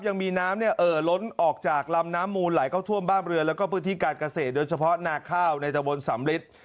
ยังมีน้ำเนี่ยเอ่อล้นออกจากลำน้ำมูลไหลเข้าท่วมบ้านเรือนแล้วก็พื้นที่การเกษตรโดยเฉพาะนาข้าวในตะบนสำลิด